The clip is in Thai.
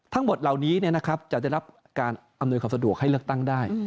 ทั้งหมดเหล่านี้จะได้รับการอำนวยความสะดวกให้เลือกตั้งได้